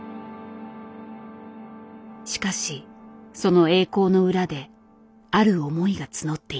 しかしその栄光の裏である思いが募っていた。